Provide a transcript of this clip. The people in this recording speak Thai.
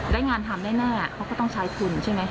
ได้งานทำแน่เขาก็ต้องใช้ทุนใช่ไหม